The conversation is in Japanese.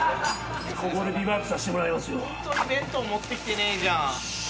ホントに弁当持ってきてねえじゃん。